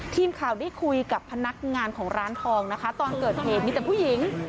ทีมข่าวได้คุยกับพนักงานของร้านทองนะคะตอนเกิดเหตุมีแต่ผู้หญิง